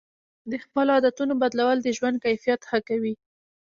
د خپلو عادتونو بدلول د ژوند کیفیت ښه کوي.